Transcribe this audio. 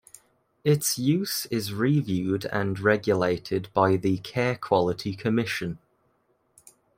Its use is reviewed and regulated by the Care Quality Commission.